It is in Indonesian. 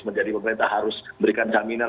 menjadi pemerintah harus berikan jaminan